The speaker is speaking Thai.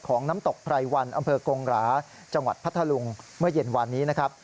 น้ำตกไพรวันอำเภอกงหราจังหวัดพัทธลุงเมื่อเย็นวานนี้นะครับ